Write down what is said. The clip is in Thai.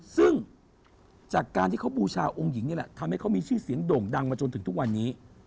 ซึ่งจากการที่เขาบูชาองค์หญิงนี่แหละทำให้เขามีชื่อเสียงโด่งดังมาจนถึงทุกวันนี้